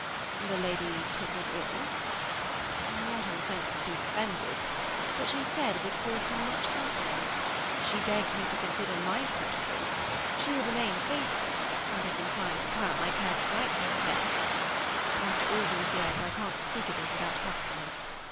"The lady took it ill?" "Not in the sense of being offended. But she said it had caused her much suffering. She begged me to consider myself free. She would remain faithful, and if, in time to come, I cared to write to her again—After all these years, I can't speak of it without huskiness.